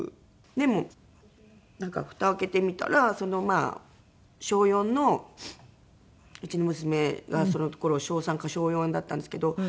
でもなんか蓋を開けてみたら小４のうちの娘がその頃小３か小４だったんですけど。